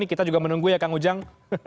kita juga menunggu ya kang ujang